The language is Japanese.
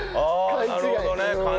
勘違い。